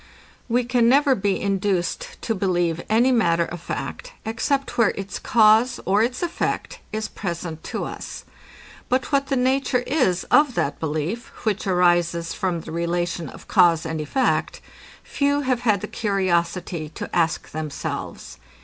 We can never be induced to believe any matter of fact, except where its cause, or its effect, is present to us; but what the nature is of that belief, which arises from the relation of cause and effect, few have had the curiosity to ask themselves.